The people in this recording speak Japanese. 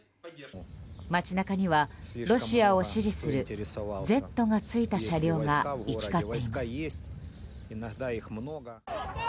街中にはロシアを支持する「Ｚ」がついた車両が行き交っています。